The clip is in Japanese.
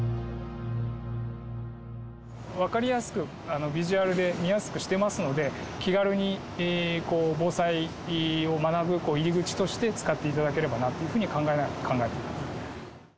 分かりやすくビジュアルで、見やすくしてますので、気軽に防災を学ぶ入り口として使っていただければなというふうに考えています。